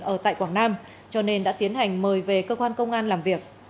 ở tại quảng nam cho nên đã tiến hành mời về cơ quan công an làm việc